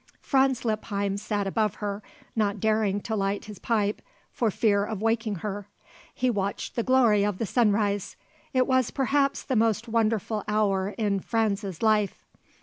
Franz Lippheim sat above her, not daring to light his pipe for fear of waking her. He, watched the glory of the sunrise. It was perhaps the most wonderful hour in Franz's life.